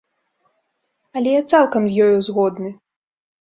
Але я цалкам з ёю згодны.